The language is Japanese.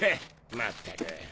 まったく。